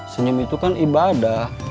senyum itu kan ibadah